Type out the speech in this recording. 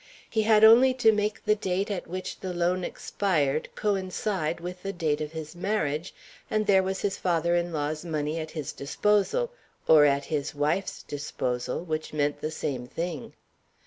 He had only to make the date at which the loan expired coincide with the date of his marriage, and there was his father in law's money at his disposal, or at his wife's disposal which meant the same thing.